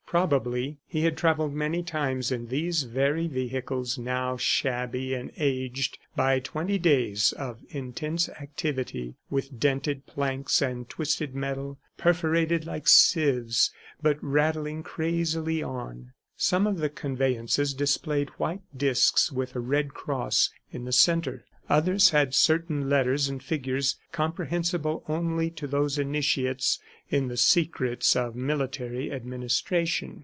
Probably he had travelled many times in these very vehicles, now shabby and aged by twenty days of intense activity, with dented planks and twisted metal, perforated like sieves, but rattling crazily on. Some of the conveyances displayed white discs with a red cross in the center; others had certain letters and figures comprehensible only to those initiates in the secrets of military administration.